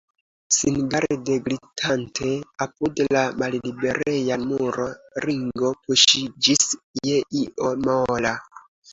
Singarde glitante apud la mallibereja muro, Ringo puŝiĝis je io mola.